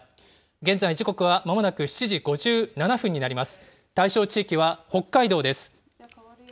現在、時刻はまもなく７時５７分になります。